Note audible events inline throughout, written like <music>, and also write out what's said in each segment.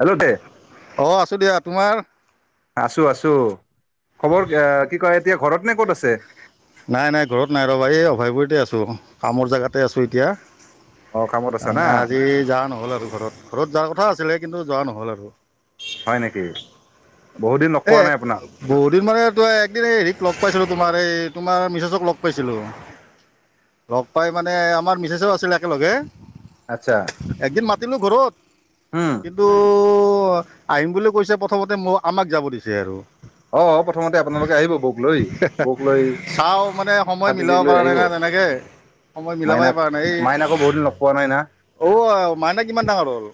Hello দে অ, আছোঁ দিয়া তোমাৰ আছো, আছো, খবৰ কি কয়, এতিয়া ঘৰত নে ক'ত আছে নাই নাই ঘৰত নাই ৰ'বা এই অভয়পুুৰীতে আছোঁ কামৰ জেগাতে আছোঁ এতিয়া অ কামত আছা তাৰ না মানে আজি যোৱা নহ'ল, আৰু ঘৰত যোৱা কথা আছিলে, কিন্তু, যোৱা নহ'ল আৰু হয় নেকি! বহুত দিন লগ এ পোৱা নাই আপোনাক বহুত দিন মানে তই একদিন হেৰিক লগ পাইছিলো তোমাৰ <unintelligible> এই তোমাৰ মিছেছক লগ পাইছিলোঁ। লগ পাই মানে আমাৰ মিছেছ আছিলে একেলগে। আচ্ছা, কিন্তু ঘৰত উম কিন্তু,, অ, আহিম বুলি কৈছে প্ৰথমতে ম আমাক যাব দিছে আৰু অ প্ৰথমতে আপোনালোকে আহিব বৌক লৈ বৌক লৈ চাওঁ মানে সময় ভাতিজিক মিলাব লৈ পৰা নাই আহিব না তেনেকে সময় মিলাবই মাইনাক পৰা নাই ।এই মাইনাকো বহুত দিন লগ পোৱা নাই না ঔ মাইনা কিমান ডাঙৰ হ'ল?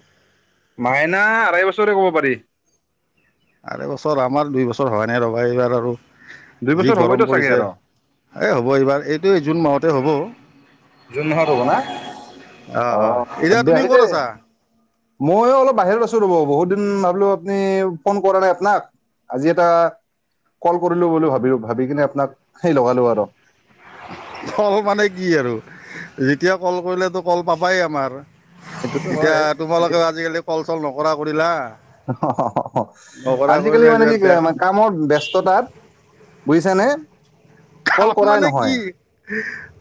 মাইনা আঢ়াই বছৰে কব পাৰি । আঢৈ বছৰ, আমাৰ দুই বছৰ হোৱা নাই ৰবা, এইবাৰ আৰু দুই বছৰ যি হ'বইতো গৰম চাগে পৰিছে আৰু এই হ'ব এইবাৰ এইটো জুন মাহত হ'ব জুন মাহত হব না অ অঁ এতিয়া বাৰ্থডে তুমি ক'ত আহিলে আছা ময়ো অলপ বাহিৰত আছো ৰ'ব বহুত দিন ভাবিলো আপনি ফোন কৰা নাই আপনাক আজি এটা কল কৰিলো বুলি ভাব ভাবি কিনে আপোনাক সেই লগা লগ আৰু কল মানে কি আৰু যেতিয়া কল কৰিলে তো কল পাবাই আমাৰ সেইটোতো এতিয়া হয় তোমালোকেও আজিকালি কল চল নকৰা কৰিলা নকৰা আজিকালি কৰিলে মানে যে কি কামৰ ব্যস্ততাত বুজিছানে নে কাম মানে কি,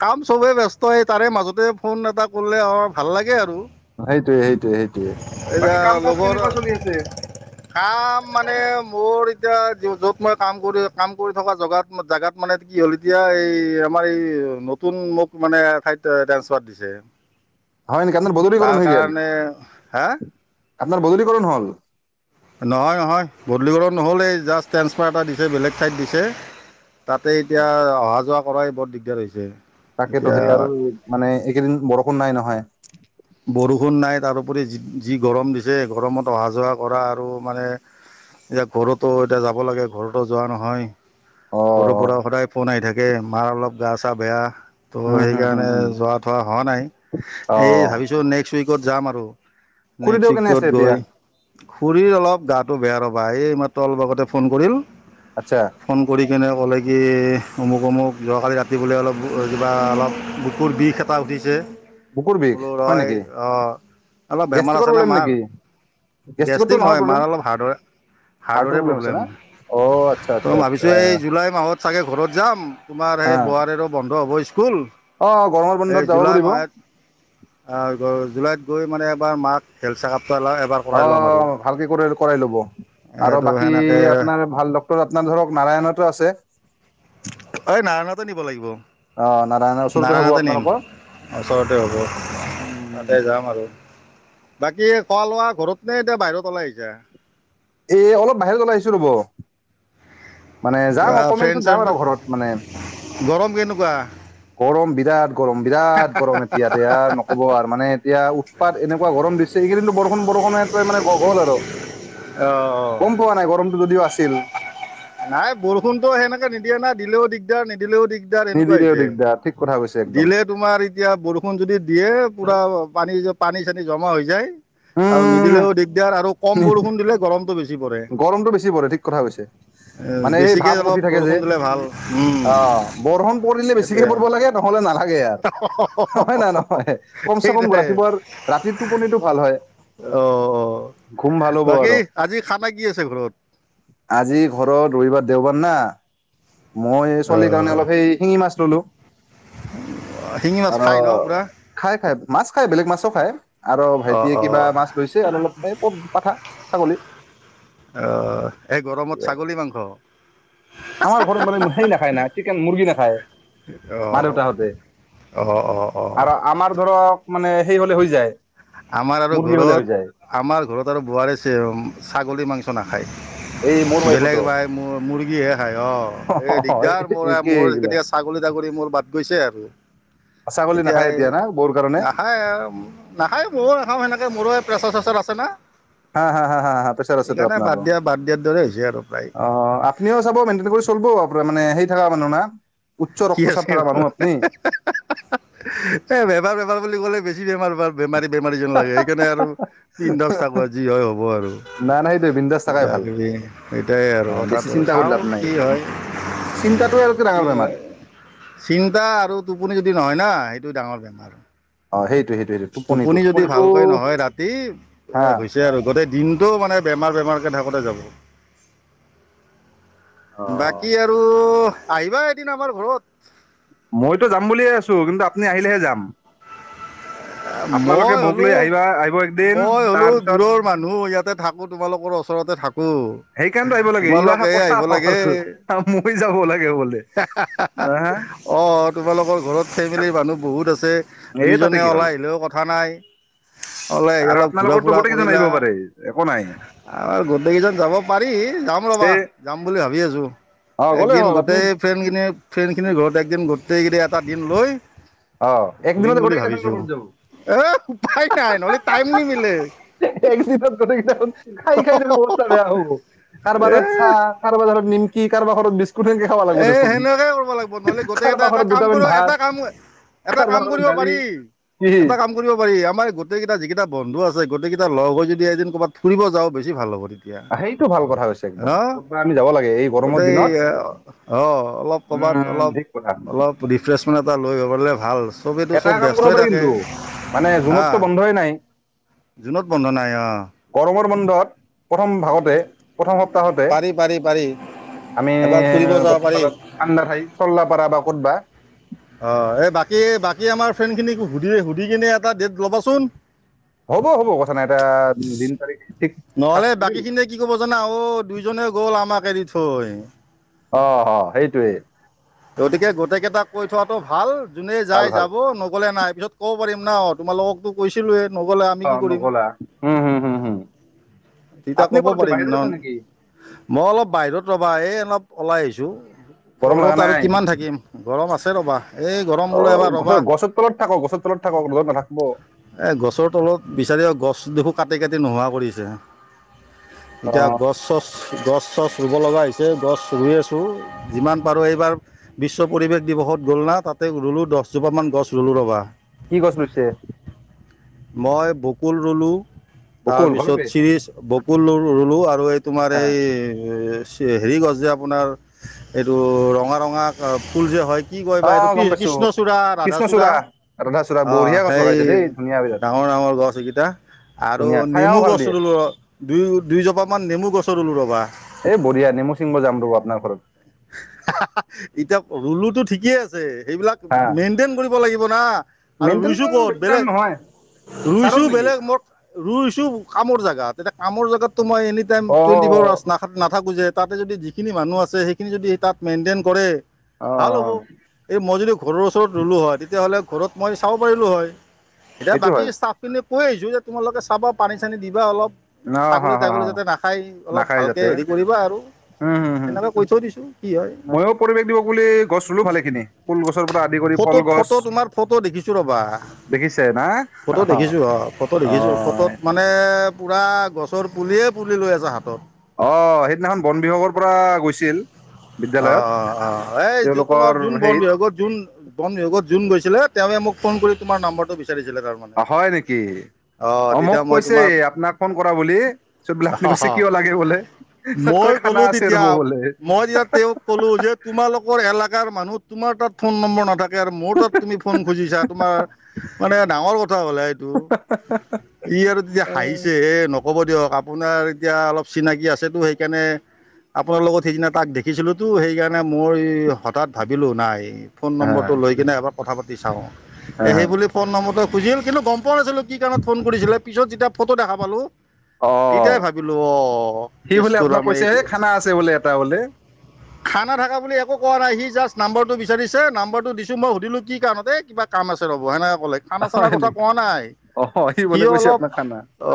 কাম চবে ব্যস্ত হয় তাৰে মাজতে ফোন এটা কৰিলে আমাৰ ভাল লাগে আৰু সেইটো সেই এতিয়া লগৰ, চলি আছে? কাম মানে মোৰ এতিয়া য'ত মই কাম কৰি কাম কৰি থকা জগাত জাগাত মানে কি হ'ল এতিয়া এই আমাৰ এই নতুন মোক মানে ঠাইত ট্ৰেন্সফাৰ দিছে হয় নেকি? আপোনাৰ তাৰ বদলীকৰণ হৈ গেল? কাৰণে হা? আপোনাৰ বদলীকৰণ হল? নহয় নহয় বদলীকৰণ নহ'লে জাষ্ট ট্ৰেন্ঞ্চফাৰ এটা দিছে বেলেগ ঠাইত দিছে। তাতে এতিয়া অহা -যোৱা কৰাই বৰ দিগদাৰ হৈছে তাকেতো এতিয়া সেই আৰু মানে এইকেইদিন বৰষুণ নাই নহয়। বৰষুণ নাই তাৰোপৰি যি যি গৰম দিছে। গৰমত অহা যোৱা কৰা আৰু মানে, এতিয়া ঘৰতো এতিয়া যাব লাগে ঘৰতো যোৱা নহয়। ঘৰৰ অ'। পৰা সদায় ফোন আহি থাকে মাৰ অলপ গা চা বেয়া ত' উম হম হম সেইকাৰণে হম যোৱা থোৱা হোৱা নাই ।এই অ'। ভাবিছো। নেক্সট উইকত যাম আৰু। <unintelligible> খুৰীদেউ নেক্স কেনে আছে উইকটোত এতিয়া? গৈ। খুড়ীৰ অলপ গাত টো বেয়া ৰ'বা এই মাত্ৰ অলপ আগতে ফোন কৰিল। আচ্ছা ফোন কৰি কেনে ক'লে কি অমুক অমুক। যোৱাকালি ৰাতি বোলে অলপ কিবা অলপ বুকুৰ বিষ এটা উঠিছে। বুকুৰ বিষ? হয় তই? নেকি? অ। অলপ বেমাৰ গেষ্ট্ৰিকৰ আছে না প্ৰব্লেম মাৰ। নেকি? গেষ্ট্ৰিকৰটো গেষ্ট্ৰিক নহয়, প্ৰব্লেম মাৰ অলপ হাৰ্ডৰে হাৰ্টৰ হাৰ্ডৰে আছে প্ৰব্লেম। না? অ' আচ্ছা ত' আচ্ছা ম ভাবিছো আচ্ছা এই জুলাই মাহত চাগে ঘৰত যাম তোমাৰ সেই হা বোৱাৰীৰো বন্ধ অ অৱশ্যে। অ গৰমৰ বন্ধত যাব পাৰিব। মাহত জুলাইত গৈ মানে এবাৰ মাক হেল্থ চেকআপ অ ভালকে কৰি কৰাই ল'ব। আৰু এইটো বাকী সেনেকৈ আপোনাৰ ভাল আপোনাৰ ধৰক নাৰায়ণাতো আছে। ঐ নাৰায়ণাতে নিব লাগিব। আহ নাৰায়ণৰ ওচৰতে হ'ব নাৰায়ণতে নিম আপোনালোকৰ ওচৰতে হ'ব তাতে ।উম! যাম আৰু বাকী খোৱা লোৱা ঘৰত নে এতিয়া বাহিৰত ওলাই আহিছা? এ অলপ বাহিৰত ওলাই আহিছো ৰ'ব। মানে যাম কিবা অকনমান ফ্ৰেণ্ড পিছত যাম চেণ্ড আৰু ঘৰত মানে। গৰম কেনেকুৱা গৰম বিৰাট গৰম বিৰাট গৰম দে আৰ নকব আৰ মানে এতিয়া উৎপাত এনেকুৱা গৰম দিছে। এইকিদিনটো বৰষুণ বৰষুণে মানে গ গ'ল আৰু, অঁ গম পোৱা নাই গৰমটো যদিও আছে। তিল। নাই বৰষুণটো সেনেকে নিদিয়ে না দিলেও দিগদাৰ নি দিলেও দিগদাৰ এনেকুৱা নিদিলেও হৈছে। দিগদাৰ ঠিক কথা কৈছে একদম। দিলে তোমাৰ এতিয়া বৰষুণ যদি দিয়ে পুৰা পানী <unintelligible> টো পানী চানী জমা হৈ যায়। আৰু উম, নিদিলেও দিগদাৰ আৰু। কম বৰষুণ দিলে গৰম গৰমটো বেছি পৰে ঠিক কথা কৈছে। মানে সেই বেছিকে ভাৱ উঠি অলপ থাকে যে বৰষুণ দিলে ভাল উম আহ, বৰষুণ পৰিলে বেছিকে সেইটোৱে পৰিব লাগে নহলে নালাগে। আৰু হয় নাই নহয় কমচে কম সেইটোৱে ৰাতিপুৱাৰ ৰাতি টোপনিটো ভাল হয়, অ অ ঘুম ভাল হ'ব আৰু। ছে ঘৰত। ই ঘৰত ৰবিবাৰ দেওবাৰ না। মই এ অ ছোৱালী কাৰণে অলপ হেই শিঙি মাছ ললো। শিঙি মাছ আৰু খাই ন পুৰা খাই খাই, মাছ খাই, বেলেগ মাছো খাই আৰু অ ভাইটিয়ে অ কিবা মাছ লৈছে আৰু অলপ টাইপ। ক'ত পাঠা, ছাগলী। অ' এই গৰমত ছাগলী মাংস? আমাৰ ঘৰত মানে হেই নাখায় না চিকেন মুৰ্গী নাখায় মা দেউতাহঁতে অ অ অ আৰু আমাৰ ধৰক মানে হেই হ'লে হৈ যায়। আমাৰ আৰু মুৰ্গী হলে হৈ ঘৰত, যায় আমাৰ ঘৰত আৰু বোৱাৰী ছেৱম-ছাগলী মাংচ নাখায়। এই মোৰ বেলেগ ৱাইফতো ভাই মূৰ-মুৰ্গীহে খাই অ' এই দিগদাৰ মোৰ একেই আ-মোৰ এইগিলা কেতিয়া ছাগলী তাগৰি মোৰ বাট গৈছে আৰু। ছাগলী এতিয়া নাখায় এই না বৌৰ কাৰণে নাখায়ে আ নাখাই ময়ো নখাওঁ হেনেকে, মোৰো প্ৰেছাৰ-চেছাৰ আছে না। হা হা হা হা প্ৰেছাৰ আছেটো সেইকাৰণে বাদ আপোনাৰো, দিয়া বাদ দিয়াৰ দৰে হৈছে আৰু প্ৰায় অ আপুনিও চাব মেইনটেইন কৰি চলব মানে সেই থকা মানুহ না উচ্চ কি ৰক্তচাপ আছে এ, থকা হা হা মানুহ আপুনি হা হা হা এ বেমাৰ বুলি ক'লে বেছি বেমাৰ বাৰ বেমাৰী বেমাৰী যেন লাগে সেইকাৰণে আৰু বিন্দাছ থাকো যি হয় হ'ব আৰু না না সেইটোৱে বিন্দাছ থাকাই কিবা ভাল কিবি এটাই আৰু বেছি কথাটো চিন্তা কৰি লাভ চাওঁ নাই কি হয়, চিন্তাটোৱে আৰুতকৈ কি ডাঙৰ বেমাৰ হয় চিন্তা আৰু টোপনি যদি নহয় না সেইটো ডাঙৰ বেমাৰ। অ' সেই টোপনি যদি ভালকৈ নহয় ৰাতি, এ হা হৈছে আৰু গোটেই দিনটোও মানে বেমাৰ বেমাৰকে থাকো তে যাব অ বাকী আৰু আহিবা এদিন আমাৰ ঘৰত মইতো যাম বুলিয়ে আছো কিন্তু আপুনি আহিলেহে যাম। আপোনালোকে মই বৌক হ'লো, লৈ আহিবা আহিব একদিন মই হ'লো তাৰপিছত দূৰৰ মানুহ ইয়াতে থাকো তোমালোকৰ ওচ ওচৰতে থাক সেইকাৰণেতো আহিব <unintelligible> লাগে তোমালোক ইয়া এই কথা আহিব হ'ল লাগে। মই যাব লাগে বোলে হা হা হা হা, অ, তোমালোকৰ ঘৰত ফেমিলিৰ মানুহ বহুত আছে <unintelligible> এই তাতে দুইজনে কি হ'ল ওলাই <unintelligible> কথা নাই, ওলাই আহি আৰু অলপ ঘুৰা আপোনালোকৰতো ফুৰা গোটেইকেইজন কৰিলা। আহিব পাৰে একো নাই আৰ গোটেই কেইজন যাব পাৰি, যাম তে ৰবা, যাম বুলি ভাবি আছো। অ গ'লে একদিন হ'ল আপুনি গোটেই ফ্ৰেণ্ডখিনি, ফ্ৰেণ্ডখিনিৰ ঘৰতে একদিন গোটেইকেইটাই এটা দিন লৈ অ, ঘূৰিম একদিনতে বুলি গোটেইকেইটা ফ্ৰেণ্ডৰ ভাবিছোঁ ঘৰত যাব। এ উপায় নাই নহ'লে টাইম নিমিলে <unintelligible> একদিনত গোটেইকেইটাই চোন খাই খাই দুহুন অৱস্থা বেয়া হ'ব, কাৰবাৰ এ তাত চাহ কাৰবাৰ তাত নিমকি কাৰোবাৰ ঘৰত বিছ <unintelligible> খাব লাগিব এ দেখোন, সেনেকুৱাই কৰিব লাগিব নহ'লে গোটেইকেইটা কাৰোবাৰ এটা ঘৰত কাম দুটামান কৰিব ভাত এটা কাম এটা কাম কাৰোবাৰ ঘৰত কৰিব দালি পাৰি, কি এটা কাম কৰিব পাৰি আমাৰ গোটেই কেইটা যিকেইটা বন্ধু <unintelligible> গোটেইকেইটা লগ হৈ যদি এদিন ক'বাত ফুৰিব যাও বেছি ভাল হ'ব তে সেইটো ভাল কথা হৈছে একদম, ক'ত বা আমি যাব লাগে এই গৰমৰ দিনত অ, অলপ ক'বাত উম, অলপ, ঠিক কথা অলপ ৰিফ্ৰেছমেণ্ট এটা লৈ আহিব পাৰিলে ভাল <unintelligible> এটা কাম ব্যস্ত কৰিব হৈ পাৰি থাকে কিন্তু, মানে হা জুনত তো বন্ধই নাই। জুনত বন্ধ নাই অঁ গৰমৰ বন্ধত প্ৰথম ভাগতে প্ৰথম সপ্তাহতে, পাৰি পাৰি পাৰি আমি এবাৰ ফুৰিব যাব পাৰি <unintelligible> ঠাণ্ডাৰ ঠাই চল্লা পাৰা বা ক'ত বা। অ, এই বাকী বাকী আমাৰ ফ্ৰেণ্ড খিনিক সুধি সুধি কিনে এটা ডেট ল'বাচোন। হ'ব হ'ব কথা নাই এটা, দিন তাৰিখে নহলে বাকী খিনিয়ে কি ক'ব জানা অ, দুইজনে গ'ল আমাক এৰি থৈ। অ, হ, সেইটোৱে। গতিকে, গোটেই কেইটাক কৈ থোৱাটো ভাল জোনে ভাল যাই ভাল যাব নগ'লে নাই, পিছত ক'ব পাৰিম <unintelligible> তোমালোকক তো কৈছিলোৱেই। নগ'লে আমি অঁ কি কৰিম। নকলা তেতিয়া আপুনি ক'ব ক'ত আছে পাৰিম ন, বাহিৰত আছে নেকি মই অলপ বাহিৰত <unintelligible> এই অলপ ওলাই আহিছো। গৰম লগা ঘৰত আৰু নাই কিমান থাকিম, গৰম আছে <unintelligible> ৰ'বা এই গৰম বোলো অঁ এবাৰ ৰ'বা। গছৰ গছৰ তলত থাকক গছৰ তলত থাকক ৰ'দত নাথাকিব এই গছৰ তলত বিচাৰি গছ দেখো কাটি কাটি নোহোৱা কৰি আছে। এতিয়া অঁ গছ চছ । গছ চছ ৰুব লগা হৈছে গছ ৰুই আছোঁ যিমান পাৰোঁ এইবাৰ বিশ্ব পৰিৱেশ দিৱসত গ'ল না তাতে ৰুলোঁ দহজোপামান গছ ৰুলোঁ ৰ'বা । কি গছ ৰুইছে। মই বকুল ৰুলোঁ। বকুল তাৰপিছত ঘৰতে চিৰিজ। বকুল ৰুল ৰুলো আৰু এই। তোমাৰ এই অ' । চে হেৰি গছ যে আপোনাৰ এইটো ৰঙা ৰঙা ফুল যে হয়। কি কয় বা এইটো অঁ কি গম পাইছোঁ কৃষ্ণচূড়া, ৰাধাচূড়া কৃষ্ণচূড়া ৰাধাচূড়া অঁ বঢ়িয়া গছ সেই লগাইছে দেই ধুনীয়া বিৰাট ডাঙৰ ডাঙৰ গছ এইকেইটা আৰু ধুনীয়া চায়াও নেমু ভাল গছ দিয়ে ৰুলো। দুয়ো দুই জোপা মান নেমু। গছ ৰুলো ৰবা। এ বঢ়িয়া নেমু চিংগ যাম ৰব আপোনাৰ ঘৰত। কি আছে। সেইবিলাক হা মেইনটেইন কৰিব লাগিব না আৰু ৰুইছোঁ মেইনটেনেঞ্চ ক'ত বেছি টান বেলেগ নহয় ছাৰত ৰুইছোঁ নেকি? বেলেগ মই ৰুইছোঁ। কামোৰ জেগাত। তেতিয়া কামৰ জেগাত। তো মই এনি টাইম অ টুৱেট ফ'ৰ আৱাৰচ নাখাত নাথাকোঁ যে। তাতে যদি যিখিনি মানুহ আছে সেইখিনি যদি তাত মেনটেইন কৰে। অ ভাল হ'ব এই মই যদি ঘৰৰ ওচৰত ৰুলো হয় তেতিয়াহ'লে। ঘৰত মই চাব পাৰিলোঁ হয়। এতিয়া সেইটো বাকী হয় ষ্টাফ খিনি--। কৈ আহিছো যে তোমালোকে চাবা পানী চানী দিবা অলপ। অ হ ছাগলী হ হ তাগলী যাতে নাখাই অলপ নাখায় ভালকে যাতে হেৰি কৰিবা আৰু উম হম হম সেনেকে কৈ থৈ দিছো কি হয় ময়ো পৰিৱেশ দিৱস বুলি গছ ৰুলো ভালেখিনি ফুল গছৰ পৰা আদি কৰি উপ থু ফটো ফল গছ ফটো তোমাৰ ফটো দেখিছো ৰবা দেখিছে না ফটো দেখিছো অ ফটো অ দেখিছো ফটোত মানে পুৰা--। গছৰ পুলিয়ে পুলি লৈ আছে হাতত। অ' সেইদিনাখন বন বিভাগৰ পৰা গৈছিল। অ' বিদ্যালয়ত অ' অ' এই যে তেওঁলোকৰ তোমাৰ যোন বন হেৰিত বিভাগত যোন বন বিভাগত। যোন গৈছিলে তেওঁৱে মোক ফোন কৰি তোমাৰ নাম্বৰটো বিচ । অ হয় নেকি অ মোক তেতিয়া মই কৈছে আপোনাক ফোন কৰা বুলি চত বোলে আপুনি কৈছে তোমাৰ কিয় লাগে বোলে তত কৈ মই খানা ক'লো আছে ৰব তেতিয়া বোলে মই হা তেতিয়া হা। তেওঁক কলো যে তোমালোকৰ এলে । যাৰ মানুহ তোমাৰ তাত ফোন নম্বৰ নাথা । যাৰ মোৰ তাত তুমি ফোন খুজিছা তোমাৰ মানে ডাঙৰ কথা হ'লেঃ এইটো ই আৰু তেতিয়া হাঁহিছে যে ন । হ'ব দিয়ক আপোনাৰ এতিয়া অলপ চিনাকি আছেতো সেইকাৰণে আপোনাৰ লগত সেইদিনা তাক দেখ । দেখিছিলোঁতো সেইকাৰণে মোৰ ই হঠাৎ ভাবিলোঁ নাই। ফোন নম্বৰটো লৈ কিনে এবাৰ কথা পাতি চাওঁ সেইবুলি ফোন নম্বৰটো এ বুজিল কিন্তু গম পোৱা নাছিলো কি কাৰণত ফোন কৰিছিলে পিছত যেতিয়া ফটো দেখা পালো অ সি বোলে কেছটো আপোনাক তাৰমানে কৈছে হ এইটো খানা আছে বোলে এটা বোলে খানা থাকা বুলি একো কোৱা নাই সি জাষ্ট নাম্বৰটো বিচাৰিছে নাম্বৰটো দিছো মই সুধিলো কি কাৰণতে কিবা কাম আছে ৰ'ব হেনে অ খানা চানা হয় কথা ক নেকি নাই অ সি বোলে কৈছে অলপ আপোনাক খানা অ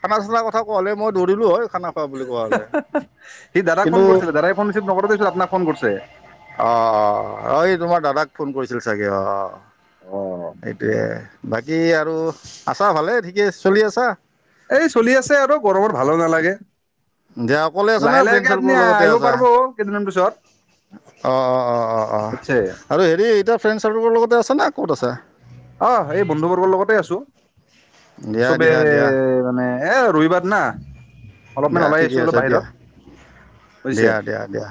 খানা চানাৰ কথা কোৱা হ'লে মই দৌৰিলো হয় খানা খোৱা বুলি কোৱা হ'লে সি দাদাক ফোন কিন্তু কৰিছিলে দাদাই ফোন ৰিচিভ নকৰোতে পিছত আপোনাক ফোন কৰিছে অ অ অ এই তোমাৰ দাদাক ফোন কৰিছিল চাগে অ অ এইটোৱে বাকী কি আৰু আছা ভালে ঠিকে চলি আছা এই চলি আছে আৰু গৰমৰ ভালো নালাগে দিয়া অকলে আছে না লাহে ফ্ৰেণ্ড লাহেকে আপুনি চাৰ্কলৰ লগতে আহিব আছো পাৰিব কেইদিনমান পিছত অ অ অ অ অ বুজিছে আৰু হেৰি এতিয়া ফ্ৰেণ্ড চাৰ্কলৰ লগতে আছে না ক'ত আছে অ সে বন্ধু বৰ্গৰ লগতে আছো দিয়া চবে দিয়া দিয়া মানে এ ৰবিবাৰ না অলপমান দিয়া ওলাই আহিছো ঠিকে অলপ আছে দিয়া বাহিৰত বহিছে দিয়া দিয়া দিয়া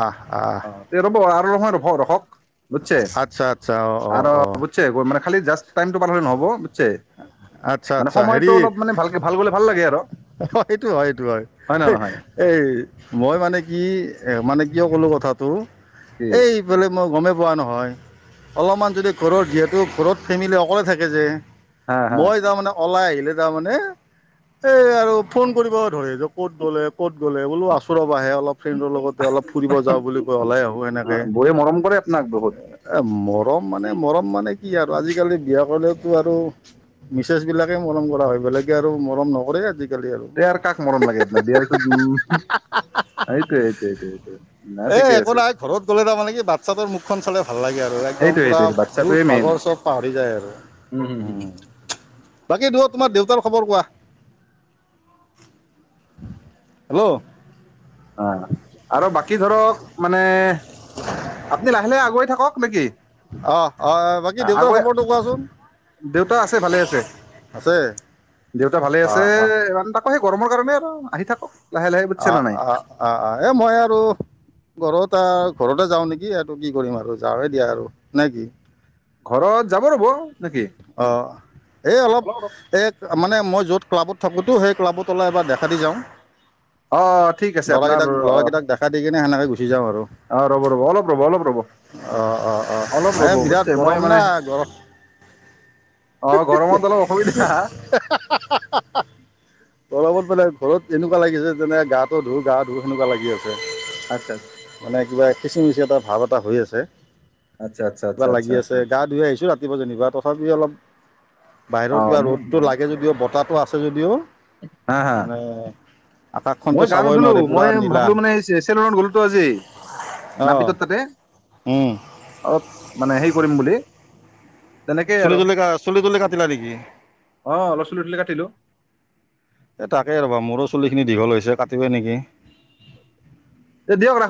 আহ আহ অ তেতিয়া হা'ব অলপ মান ৰখক বুজছে আচ্ছা আচ্ছা অঁ অঁ আৰু অঁ বুজছে খালি জাষ্ট টাইমটো পাৰ হলে নহ'ব চে আচ্ছা মানে আচ্ছা সময়তটো অলপ মানে ভালকে ভাল গলে ভাল লাগে আৰু অ সেইটো হয় এইটো হয় নে নহয় এই মই মানে কি এ মানে কিয় ক'লো কথাটো কি এইফলে মই গমে পোৱা নহয় অলপমান যদি ঘৰৰ যিহেতু ঘৰত ফেমিলি অকলে থাকে যে হা হা মই তাৰমানে ওলাই আহি দে তাৰ মানে এই আৰু ফোন কৰিব ধৰি হক ক'ত গ'লে ক'ত গ'লে বোলো আছুৰবা আহে অলপ ফ্ৰেণ্ডৰ লগতে অলপ ফুৰিব যাওঁ বুলি কৈ ওলাই আহো সেনেকে বৌয়ে মৰম কৰে আপোনাক বহুত এ মৰম মানে মৰম মানে কি আৰ আজিকালি বিয়া কৰিলেওতো আৰু মিছেছবিলাকে মৰম কৰা হয় বেলেগে আৰু মৰম নক কৰে আজি দে আৰ কাক মৰম লাগে আপোনাৰ বিয়াৰ পিছত উ এইটোয়ে এইটোযে সিটো নাই এই ঠিকে একো আছে নাই ঘৰত গ'লে তাৰমানে কি বাচ্ছাটোৰ মুখখন চালে ভাল লাগে আৰু একদম সেইটোৱে পূৰা সেইটোৱে বাচ্ছাটোৱে দুূখ মেইন ভাগৰ চব পাহৰি যায় আৰু উম হুম হুম বাকী দূৰত তোমাৰ দেউতাৰ খবৰ কোৱা হেল্ল' অ আৰু বাকী ধৰক মানে আপুনি লাহে লাহে আগুৱাই থাকক তমি কি অঁ অঁ বাকী দেউতাৰ আগুৱাই খবৰটো কোৱাচোন দেউতা আছে ভালে আছে আছে দেউতা ভালে আছে অঁ অঁ মানুহ তাকৌ হে গৰমৰ কাৰণে আৰু আহি থাকক লাহে বুজিছে নাই অ অ এ মই আৰু গ কত আৰু ঘৰতে যাওঁ নেকি এইটো কি কৰিম আৰু যাৱে দিয়া আৰু নে কি ঘৰত যাব ৰ'ব নেকি অঁ এই অলপ মানে মই য'ত ক্লাবত থাকোঁতেও সেই ক্লাবত অলপ এবাৰ দেখা দি যাওঁ অ ঠিক আছে আপোনাৰ অ <inaudible> উঠি যাম আৰু অ ৰ'ব ৰ'ব অলপ ৰ'ব অলপ ৰ'ব অঁ অঁ অঁ অলপ মানে ৰ'ব বিৰাট বুজিছে মই গৰম না মানে গৰম অ গৰমত মানে অলপ অসুবিধা ঘৰত এনেকুৱা লাগি যেনে গাটো ধো গা ধো সেনেকুৱা লাগি আছে আচ্ছা মানে কিবা খিচিমিচি এটা ভাৱ এটা হৈ আছে আচ্ছা আচ্ছা কিবা আচ্ছা লাগি আচ্ছা আছে গা ধুই আহিছো ৰাতিপুৱা যেনিবা তথাপি অলপ অ বাহিৰত কিবা মোৰ ৰ'দটো লাগে যদিও বতাহটো আছে যদিও হা হা মানে আকাশখনতো মই গা চাবই নুধলো নোৱাৰি পূৰা মই নীলা ভাবিলো মানে চেলুনত গ'লোতো আজি অঁ নাপিতত তাতে অলপ মানে হেৰি কৰিম বুলি তেনেকেই চুলি আৰু তুলি কা চুলি তুলি কাটিলা নেকি অ অলপ চুলি তুলি কাটিলো এ তাকে ৰবা মোৰো চুলি খিনি দীঘল হৈছে কাতিমেই নেকি তে দিয়ক ৰাখ